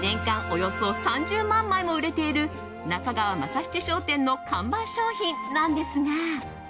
およそ３０万枚も売れている中川政七商店の看板商品なんですが。